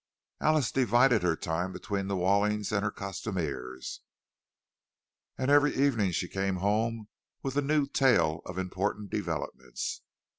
Alice divided her time between the Wallings and her costumiers, and every evening she came home with a new tale of important developments.